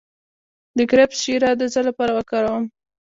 د کرفس شیره د څه لپاره وکاروم؟